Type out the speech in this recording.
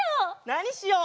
なにしよう？